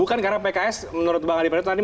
bukan karena pks menurut bang adi prat itu